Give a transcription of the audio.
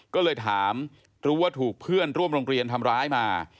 ก็เลยถามรู้ว่าถูกเพื่อนร่วมโรงเรียนทำร้ายมา